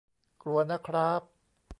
กลัวนะคร้าบ